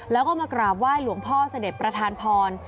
แล้วก็มากราบไหว้หลวงพ่อเสด็จประธานพร